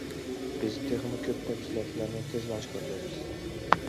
بىز تېخىمۇ كۆپ تەپسىلاتلارنى تېزلا ئاشكارىلايمىز.